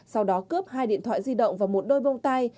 sau đó cướp hai điện thoại di động và một đôi bông tai